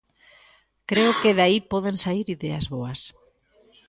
Creo que de aí poden saír ideas boas.